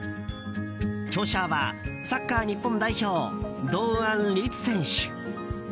著者は、サッカー日本代表堂安律選手。